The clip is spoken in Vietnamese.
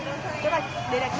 đây là theo chị nghe thấy